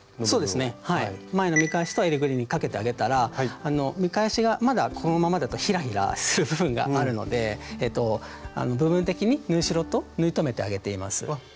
そうですね前の見返しとえりぐりにかけてあげたら見返しがまだこのままだとひらひらする部分があるので部分的に縫い代と縫い留めてあげています。